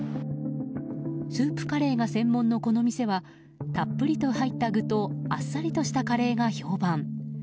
スープカレーが専門のこの店はたっぷりと入った具とあっさりとしたカレーが評判。